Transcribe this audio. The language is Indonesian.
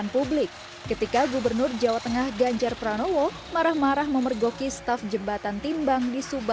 pembenahan jembatan timbang